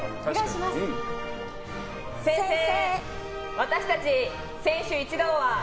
私たち選手一同は。